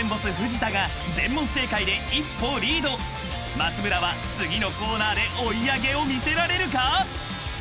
［松村は次のコーナーで追い上げを見せられるか？］